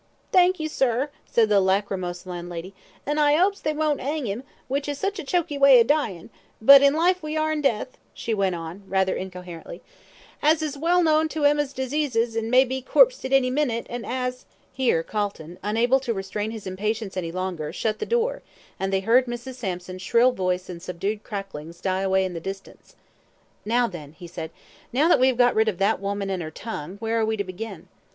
"Thank you, sir," said the lachrymose landlady, "an' I 'opes they won't 'ang 'im, which is sich a choky way of dyin'; but in life we are in death," she went on, rather incoherently, "as is well known to them as 'as diseases, an' may be corpsed at any minute, and as " Here Calton, unable to restrain his impatience any longer, shut the door, and they heard Mrs. Sampson's shrill voice and subdued cracklings die away in the distance. "Now then," he said, "now that we have got rid of that woman and her tongue, where are we to begin?"